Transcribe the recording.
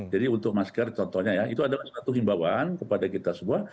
jadi untuk masker contohnya ya itu adalah satu himbawan kepada kita semua